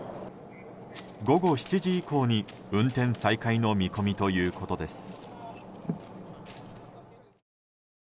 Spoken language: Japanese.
午後７時以降に運転再開の見込みということです。